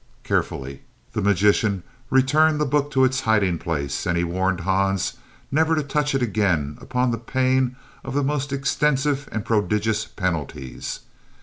Carefully, the magician returned the book to its hiding place and he warned Hans never to touch it again upon the pain of the most extensive and prodigious penalties.